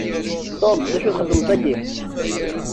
Tom, d acu txedmeḍ dagi?